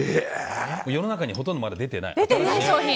世の中のほとんどまだ出てない。